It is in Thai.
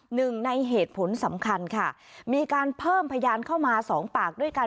หนึ่งในเหตุผลสำคัญค่ะมีการเพิ่มพยานเข้ามาสองปากด้วยกัน